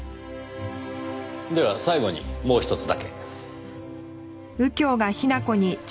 では最後にもうひとつだけ。